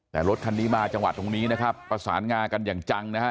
แต่รถคันนี้มาจังหวัดตรงนี้นะครับประสานงากันอย่างจังนะฮะ